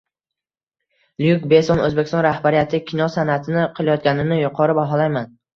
Lyuk Besson: "O‘zbekiston rahbariyati kino san’atini qo‘llayotganini yuqori baholayman"